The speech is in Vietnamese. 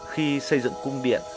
khi xây dựng cung điện